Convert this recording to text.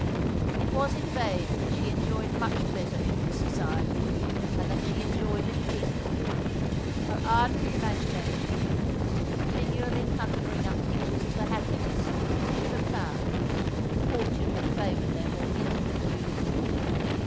It was in vain that she enjoyed much pleasure in his society, and that she enjoyed it frequently. Her ardent imagination was continually conjuring up pictures of the happiness she should have found, if fortune had favoured their more intimate union.